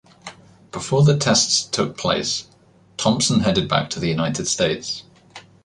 Before the tests took place, "Thompson" headed back to the United States.